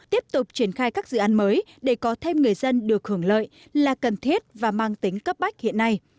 tiếp tục triển khai các dự án mới để có thêm người dân được hưởng lợi là cần thiết và mang tính cấp bách hiện nay